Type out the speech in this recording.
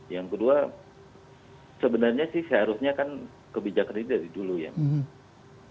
yang kedua sebenarnya sih seharusnya kan kebijakannya dari dulu ya mas